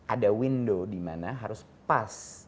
ada window dimana harus pas